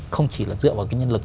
không chỉ là dựa vào cái nhân lực